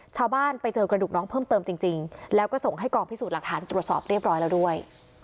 ชาวบ้านไปเจอกระดูกน้องเพิ่มเติมจริงแล้วก็ส่งให้กองพิสูจน์หลักฐานตรวจสอบเรียบร้อยแล้วด้วย